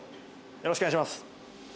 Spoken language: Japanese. よろしくお願いします。